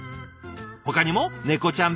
ほかにもネコちゃん